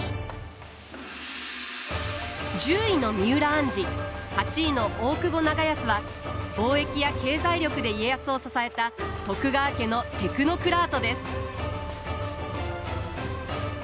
１０位の三浦按針８位の大久保長安は貿易や経済力で家康を支えた徳川家のテクノクラートです。